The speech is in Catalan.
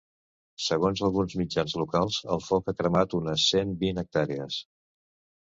Segons alguns mitjans locals el foc ha cremat unes cent vint hectàrees.